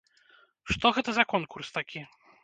Што гэта за конкурс такі?!